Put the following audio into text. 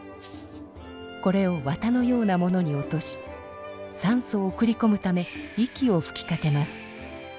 これをわたのようなものに落としさんそを送りこむため息をふきかけます。